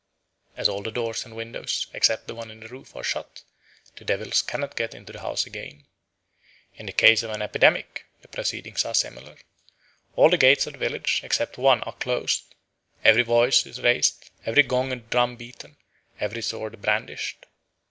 As all the doors and windows, except the one in the roof, are shut, the devils cannot get into the house again. In the case of an epidemic, the proceedings are similar. All the gates of the village, except one, are closed; every voice is raised, every gong and drum beaten, every sword brandished.